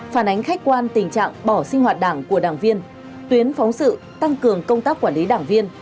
phản ánh khách quan tình trạng bỏ sinh hoạt đảng của đảng viên tuyến phóng sự tăng cường công tác quản lý đảng viên